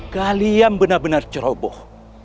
kalian benar benar ceroboh